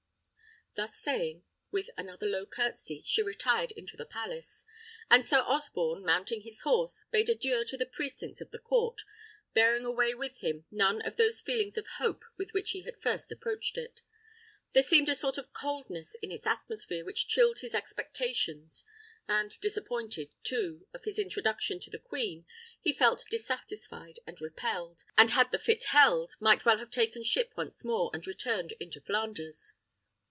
Thus saying, with another low curtsy, she retired into the palace; and Sir Osborne, mounting his horse, bade adieu to the precincts of the court, bearing away with him none of those feelings of hope with which he had first approached it. There seemed a sort of coldness in its atmosphere which chilled his expectations; and disappointed, too, of his introduction to the queen, he felt dissatisfied and repelled, and had the fit held, might well have taken ship once more, and returned into Flanders.